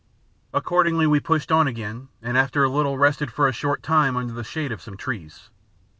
Accordingly we pushed on again and after a little rested for a short time under the shade of some trees.